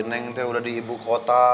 neng teo udah di ibu kota